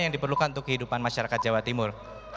yang diperlukan untuk kehidupan masyarakat jawa timur